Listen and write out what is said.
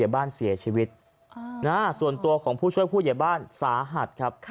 บ้านเสียชีวิตส่วนตัวของผู้ช่วยผู้ใหญ่บ้านสาหัสครับ